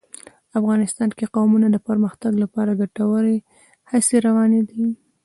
افغانستان کې د قومونه د پرمختګ لپاره ګټورې هڅې روانې دي.